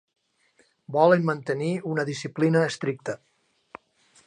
Volen mantenir una disciplina estricta.